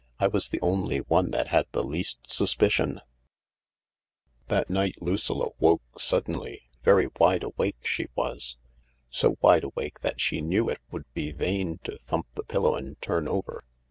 I was the only one that had the least suspicion 1 " That night Lucilla woke suddenly : very wide awake she was — so wide awake that she knew it would be vain to thump the pillow and turn over.